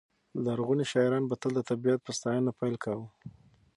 لرغوني شاعران به تل د طبیعت په ستاینه پیل کاوه.